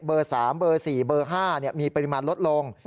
๓เบอร์๔เบอร์๕มีปริมาณลดลง